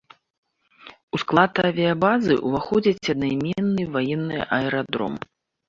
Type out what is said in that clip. У склад авіябазы ўваходзіць аднайменны ваенны аэрадром.